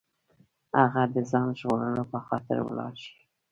هغه د ځان ژغورلو په خاطر ولاړ شي.